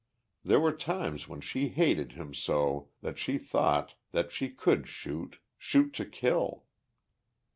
There were times when she hated him so that she thought that she could shoot, shoot to kill.